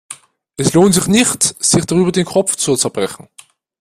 Es lohnt sich nicht, sich darüber den Kopf zu zerbrechen.